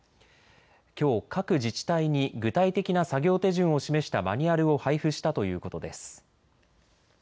きょう各自治体に具体的な作業手順を示したマニュアルを配布したということです。